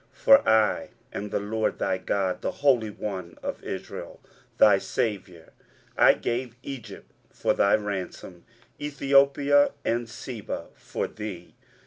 23:043:003 For I am the LORD thy God, the Holy One of Israel, thy Saviour: I gave Egypt for thy ransom, Ethiopia and Seba for thee.